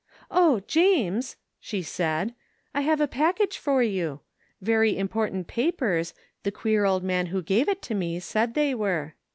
" Oh, James," she said, " Fve a package for you; * very important papers ' the queer old man who gave it to me said they were.